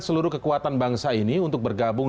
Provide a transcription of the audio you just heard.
seluruh kekuatan bangsa ini untuk bergabung